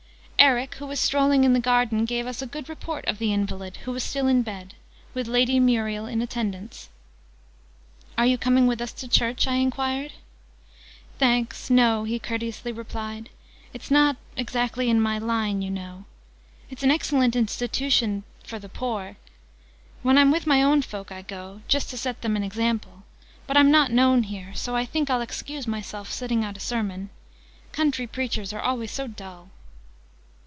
Eric, who was strolling in the garden, gave us a good report of the invalid, who was still in bed, with Lady Muriel in attendance. "Are you coming with us to church?" I enquired. "Thanks, no," he courteously replied. "It's not exactly in my line, you know. It's an excellent institution for the poor. When I'm with my own folk, I go, just to set them an example. But I'm not known here: so I think I'll excuse myself sitting out a sermon. Country preachers are always so dull!"